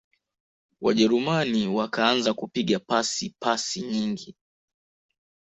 wajerumani wakaanza kupiga pasi pasi nyingi